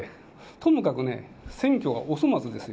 ともかくね、選挙がお粗末ですよ。